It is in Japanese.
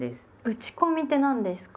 打ち込みって何ですか？